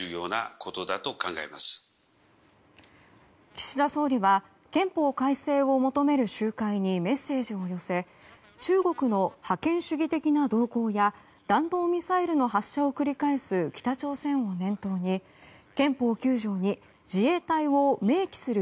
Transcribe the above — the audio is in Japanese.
岸田総理は憲法改正を求める集会にメッセージを寄せ中国の覇権主義的な動向や弾道ミサイルの発射を繰り返す北朝鮮を念頭に、憲法９条に自衛隊を明記する